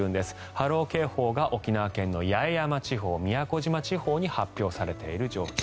波浪警報が沖縄県の八重山地方宮古島地方に発表されている状況。